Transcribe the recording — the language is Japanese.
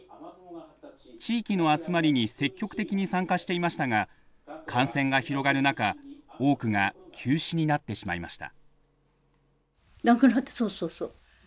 地域の集まりに積極的に参加していましたが感染が広がる中多くが休止になってしまいました。